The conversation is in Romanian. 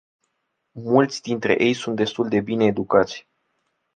Mulți dintre ei sunt destul de bine educați.